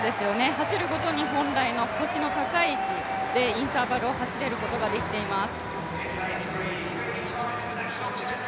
走ることで本来の腰の高い位置でインターバルを走れることができています。